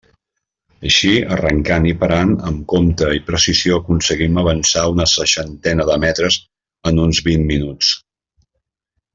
Així, arrencant i parant amb compte i precisió aconseguim avançar una seixantena de metres en uns vint minuts.